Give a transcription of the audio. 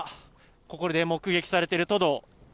ここで目撃されているトド。